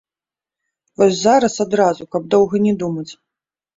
Вось зараз, адразу, каб доўга не думаць.